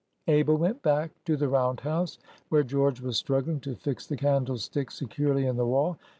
Abel went back to the round house, where George was struggling to fix the candlestick securely in the wall.